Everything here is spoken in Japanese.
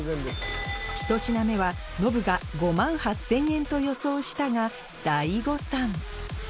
１品目はノブが５万８０００円と予想したが大誤算